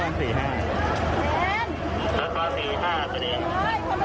ขอมูลให้ทราบกันครับ